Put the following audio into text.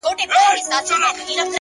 مثبت ذهن پر امکاناتو باور لري.!